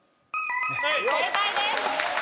正解です。